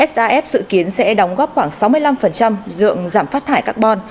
s a f dự kiến sẽ đóng góp khoảng sáu mươi năm dượng giảm phát thải carbon